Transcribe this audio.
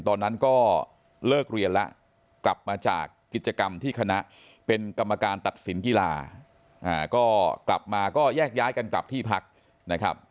ตอนนั้นก็เลิกเรียนแล้วกลับมาจากกิจกรรมที่คณะเป็นกรรมการตัดสินกีฬาก็กลับมาก็แยกย้ายกันกลับที่พักนะครับ